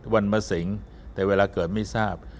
วันมะสิงแต่เวลาเกิดไม่ทราบ